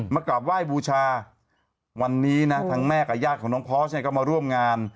กลับไหว้บูชาวันนี้นะทั้งแม่กับญาติของน้องพอร์สเนี่ยก็มาร่วมงาน